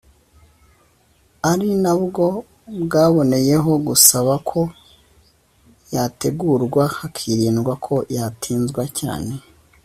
ari na bwo bwaboneyeho gusaba ko yategurwa hakirindwa ko yatinzwa cyane